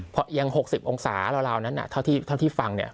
เพราะเอียง๖๐องศาราวนั้นเท่าที่ฟังเนี่ย